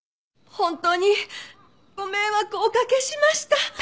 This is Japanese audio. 本当にご迷惑おかけしました！